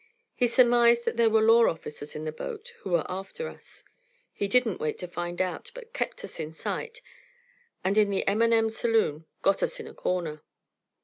He surmised that there were law officers in the boat who were after us. He didn't wait to find out, but kept us in sight, and in the M.&.M. saloon got us in a corner.